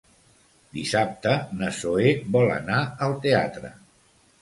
Dissabte na Zoè vol anar al teatre.